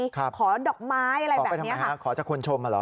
ขอดอกไม้อะไรแบบนี้ค่ะขอจากคนชมหรอ